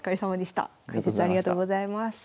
解説ありがとうございます。